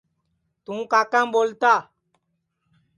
توں کاکام ٻولتا